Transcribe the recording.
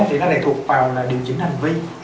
thì nó lại thuộc vào điều chỉnh hành vi